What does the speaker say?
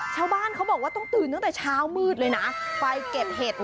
ชาวบ้านเขาบอกว่าต้องตื่นตั้งแต่เช้ามืดเลยนะไปเก็บเห็ด